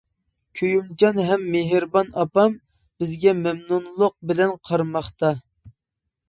كۆيۈمچان ھەم مېھرىبان ئاپام بىزگە مەمنۇنلۇق بىلەن قارىماقتا.